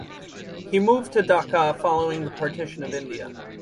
He moved to Dhaka following the Partition of India.